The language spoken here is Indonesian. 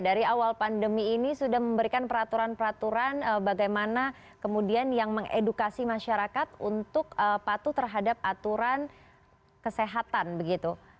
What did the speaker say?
dari awal pandemi ini sudah memberikan peraturan peraturan bagaimana kemudian yang mengedukasi masyarakat untuk patuh terhadap aturan kesehatan begitu